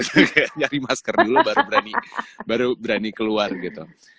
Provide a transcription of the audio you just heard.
kayak nyari masker dulu baru berani keluar gitu